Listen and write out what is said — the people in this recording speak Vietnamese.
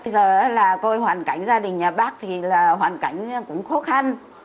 bây giờ là tôi hoàn cảnh gia đình nhà bác thì là hoàn cảnh cũng khó khăn